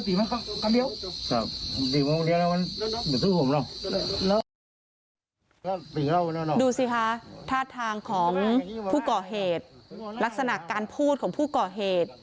พูดของผู้ก่อเหตุลักษณะการพูดของผู้ก่อเหตุ